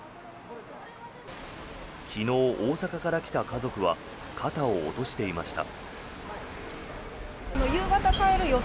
昨日、大阪から来た家族は肩を落としていました。